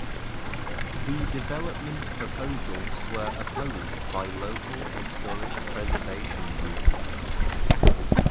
The development proposals were opposed by local historic preservation groups.